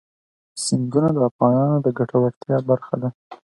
سیندونه د افغانانو د ګټورتیا برخه ده.